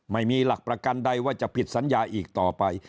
ไม่มีหลักประกันใดว่าจะผิดสัญญาอีกต่อไป